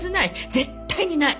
絶対にない！